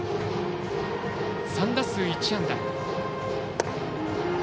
３打数１安打。